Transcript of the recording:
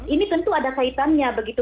ini tentu ada kaitannya begitu